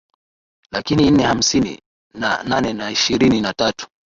laki nne hamsini na nane na ishirini na tatu